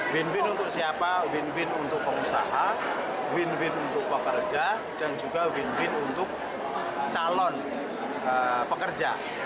win win untuk siapa win win untuk pengusaha win win untuk pekerja dan juga win win untuk calon pekerja